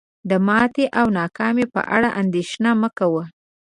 د ماتي او ناکامی په اړه اندیښنه مه کوه